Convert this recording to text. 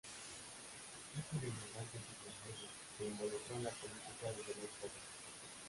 Hijo de emigrantes irlandeses, se involucró en la política desde muy joven.